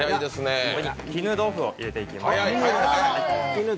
絹豆腐を入れていきます。